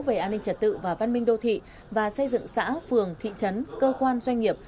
về an ninh trật tự và văn minh đô thị và xây dựng xã phường thị trấn cơ quan doanh nghiệp